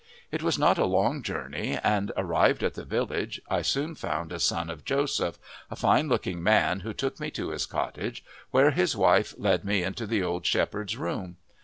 It was not a long journey, and arrived at the village I soon found a son of Joseph, a fine looking man, who took me to his cottage, where his wife led me into the old shepherd's room.